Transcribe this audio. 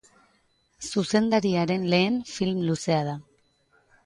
Zuzendariaren lehen film-luzea da.